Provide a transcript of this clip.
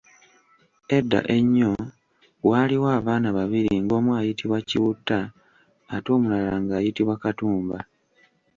Edda ennyo waaliwo abaana babiri ng’omu ayitibwa Kiwutta ate omulala ng’ayitibwa Katumba.